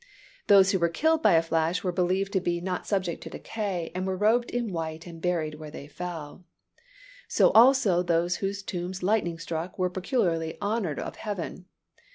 Those who were killed by a flash were believed to be not subject to decay, and were robed in white and buried where they fell. So also those whose tombs lightning struck were peculiarly honored of Heaven.